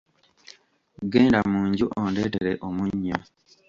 Genda mu nju ondeetere omunnyo.